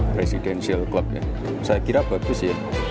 presidential club ya saya kira bagus ya